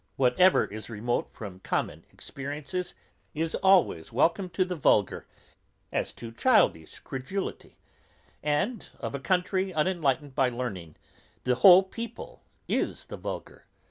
Whatever is remote from common appearances is always welcome to vulgar, as to childish credulity; and of a country unenlightened by learning, the whole people is the vulgar.